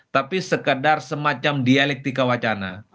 tapi sekedar semacam dialektika wacana